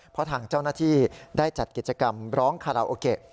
เพราะทางเจ้าหน้าที่ได้จัดกิจกรรมร้องคาราโอเกะ